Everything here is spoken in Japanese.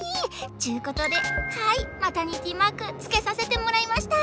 っちゅうことではいマタニティマークつけさせてもらいました！